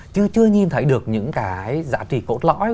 chứ chưa nhìn thấy được những cái giá trị cốt lõi